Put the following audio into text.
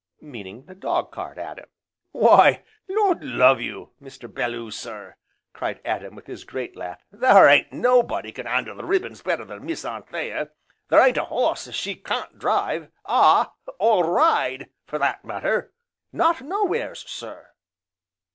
"Meaning the dog cart, Adam." "Why, Lord love ye, Mr. Belloo sir!" cried Adam with his great laugh, "there ain't nobody can 'andle the ribbons better than Miss Anthea, there ain't a horse as she can't drive, ah! or ride, for that matter, not no wheres, sir."